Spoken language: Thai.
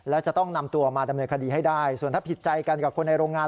และจะต้องนำตัวมาดำเนินคดีให้ได้ส่วนถ้าผิดใจกันกับคนในโรงงาน